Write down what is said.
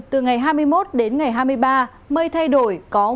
từ ngày hai mươi một đến ngày hai mươi ba mây thay đổi